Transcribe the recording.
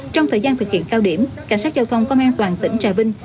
trong thời gian thực hiện cao điểm cảnh sát giao thông công an toàn tỉnh trà vinh